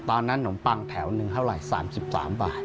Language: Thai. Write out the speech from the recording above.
ตอนนั้นหนมปังแถวหนึ่งเท่าไร๓๓บาท